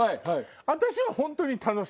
私は本当に楽しいの。